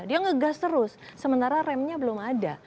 dia ngegas terus sementara remnya belum ada